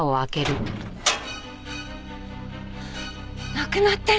なくなってる！